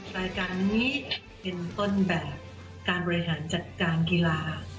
รายการนี้เป็นต้นแบบการบริหารจัดการกีฬา